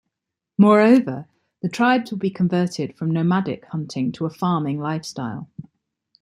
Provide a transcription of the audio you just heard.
Moreover, the tribes would be converted from nomadic hunting to a farming lifestyle.